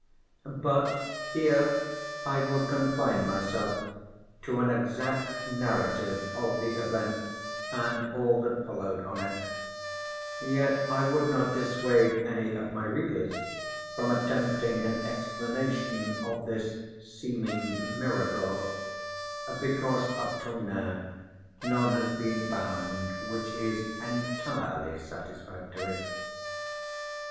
But here I will confine myself to an exact narrative of the event and all that followed on it. Yet I would not dissuade any of my readers from attempting an explanation of this seeming miracle because up till now none has been found which is entirely satisfactory.